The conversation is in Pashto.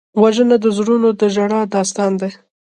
وژنه د زړونو د ژړا داستان دی